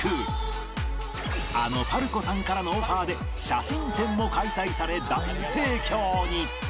あの ＰＡＲＣＯ さんからのオファーで写真展も開催され大盛況に